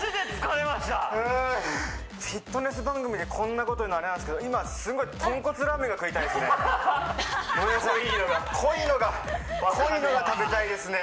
フィットネス番組でこんなこと言うのあれなんですけど濃いのが分かるわ濃いのが食べたいですね